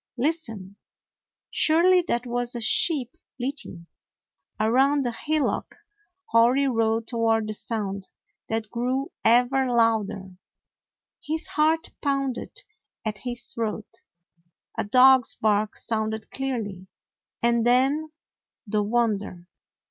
Listen! Surely that was a sheep bleating! Around a hillock Hori rode toward the sound that grew ever louder. His heart pounded at his throat. A dog's bark sounded clearly, and then, the wonder!